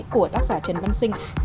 của tác giả trần văn sinh